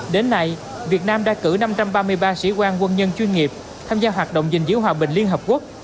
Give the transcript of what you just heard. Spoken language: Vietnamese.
đến nay việt nam đã cử năm trăm ba mươi ba sĩ quan quân nhân chuyên nghiệp tham gia hoạt động gìn giữ hòa bình liên hợp quốc